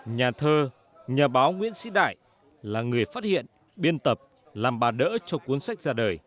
nhà thơ nhà báo nguyễn sĩ đại là người phát hiện biên tập làm bà đỡ cho cuốn sách ra đời